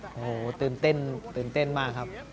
โหตื่นเต้นมากครับ